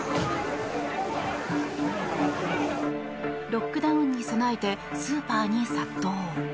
ロックダウンに備えてスーパーに殺到。